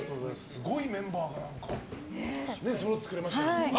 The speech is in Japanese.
すごいメンバーがそろってくれましたけど。